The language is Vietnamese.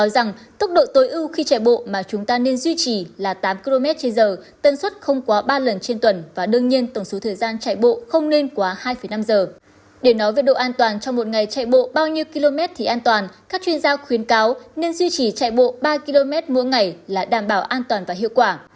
các chuyên gia khuyến cáo nên duy trì chạy bộ ba km mỗi ngày là đảm bảo an toàn và hiệu quả